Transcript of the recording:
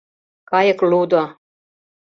КАЙЫК ЛУДО